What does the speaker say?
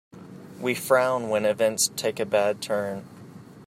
We frown when events take a bad turn.